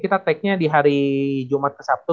kita take nya di hari jumat ke sabtu